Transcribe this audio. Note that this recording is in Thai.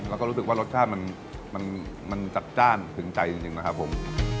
แล้วก็รู้สึกว่ารสชาติมันจัดจ้านถึงใจจริงนะครับผม